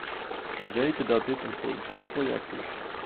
We weten dat dit een politiek project is.